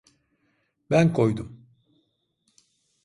Ben koydum.